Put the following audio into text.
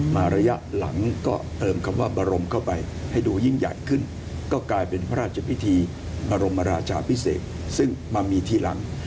ระยะหลังก็เติมคำว่าบรมเข้าไปให้ดูยิ่งใหญ่ขึ้นก็กลายเป็นพระราชพิธีบรมราชาพิเศษซึ่งมามีทีหลัง